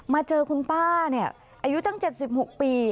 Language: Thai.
มาเจอคุณป้าอายุตั้ง๗๖ปี